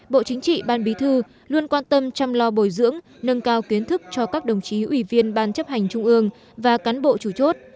bộ chính trị ban bí thư luôn quan tâm chăm lo bồi dưỡng nâng cao kiến thức cho các đồng chí ủy viên ban chấp hành trung ương và cán bộ chủ chốt